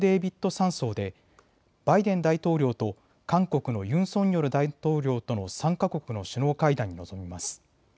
山荘でバイデン大統領と韓国のユン・ソンニョル大統領との３か国の首脳会談に臨みます。